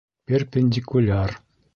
Перпендикуляр